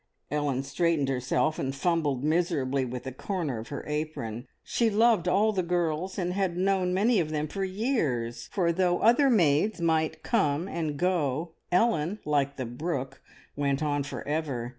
Ellen straightened herself and fumbled miserably with the corner of her apron. She loved all the girls, and had known many of them for years; for though other maids might come and go, Ellen, like the brook, went on for ever.